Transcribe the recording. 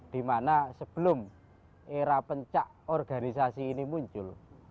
dimana sebelum era pencak organisasi ini muncul